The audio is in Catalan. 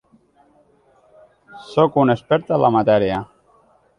Sóc una experta en la matèria.